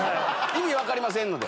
意味分かりませんので。